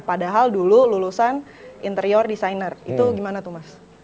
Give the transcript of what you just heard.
padahal dulu lulusan interior designer itu gimana tuh mas